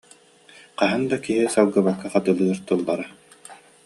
Хаһан да киһи салгыбакка хатылыыр тыллара